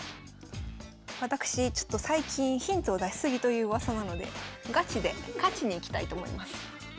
私ちょっと最近ヒントを出し過ぎといううわさなのでガチで勝ちにいきたいと思います。